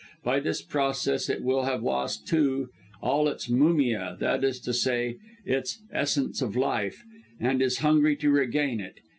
By this process it will have lost, too, all its mumia that is to say, its essence of life and is hungry to regain it.